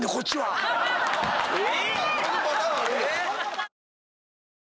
え⁉